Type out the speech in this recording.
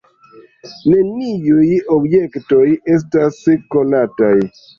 Neniuj objektoj estas konataj.